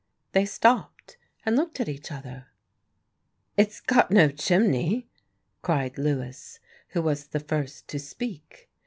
They stopped and looked at each other. "It's got no chimney!" cried Lewis, who was the first to speak.